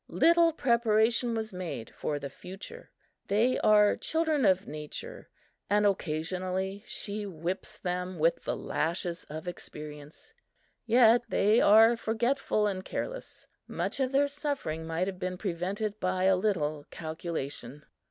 Little preparation was made for the future. They are children of Nature, and occasionally she whips them with the lashes of experience, yet they are forgetful and careless. Much of their suffering might have been prevented by a little calculation.